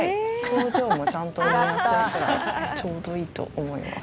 表情もちゃんと見やすいくらいちょうどいいと思います。